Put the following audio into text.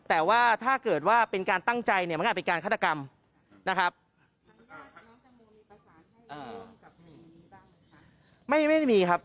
แต่ว่าถ้าเกิดว่าเป็นการตั้งใจเนี่ยมันก็อาจเป็นการฆาตกรรมนะครับ